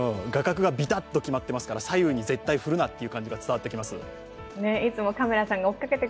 画角がびたっと決まっていますから左右に絶対振るな、っていう感じが伝わってきます。